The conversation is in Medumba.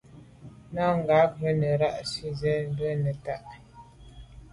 Nə̀ cǎ tǎ ú rə̌ nə̀ fà’ zí’də́ bə́ nə̀tá.